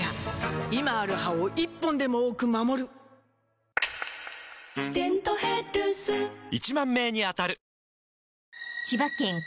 今ある歯を１本でも多く守る「デントヘルス」１０，０００名に当たる！